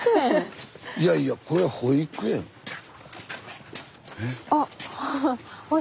いやいやこれ保育園？えっ？あっ。